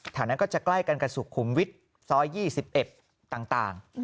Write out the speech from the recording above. นั้นก็จะใกล้กันกับสุขุมวิทย์ซอย๒๑ต่าง